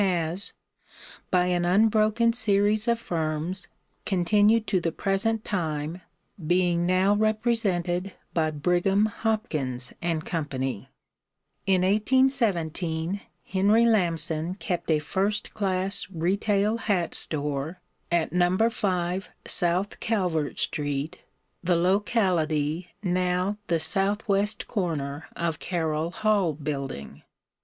has, by an unbroken series of firms, continued to the present time, being now represented by Brigham, Hopkins & Co. In 1817 Henry Lamson kept a first class retail hat store at No. 5 South Calvert street, the locality now the southwest corner of Carroll Hall building.